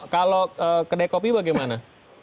kalau kedai kopi bagaimana